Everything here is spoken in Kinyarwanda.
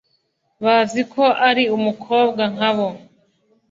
bazi ko ari umukobwa nka bo